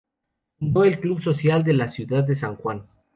Fundó el club social de la ciudad de San Juan.